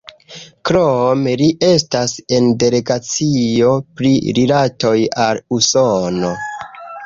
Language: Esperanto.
Krome li estas en la delegacio pri rilatoj al Usono.